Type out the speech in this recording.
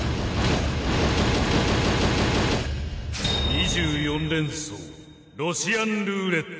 ２４連装ロシアンルーレット。